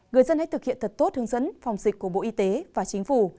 người dân hãy thực hiện thật tốt hướng dẫn phòng dịch của bộ y tế và chính phủ